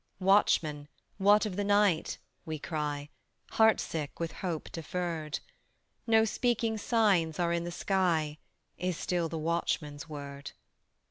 "Watchman, what of the night?" we cry, Heart sick with hope deferred: "No speaking signs are in the sky," Is still the watchman's word.